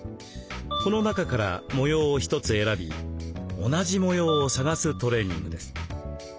この中から模様を一つ選び同じ模様を探すトレーニングです。